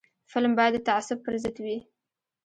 فلم باید د تعصب پر ضد وي